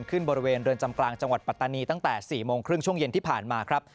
บริเวณเรือนจำกลางจังหวัดปัตตานีตั้งแต่๔โมงครึ่งช่วงเย็นที่ผ่านมาครับ